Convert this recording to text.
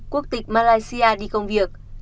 quốc tịch malaysia đi công việc